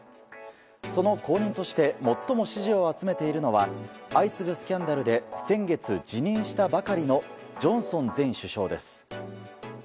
その後任として最も支持を集めているのが相次ぐスキャンダルで先月辞任したばかりのジョンソン前首相です。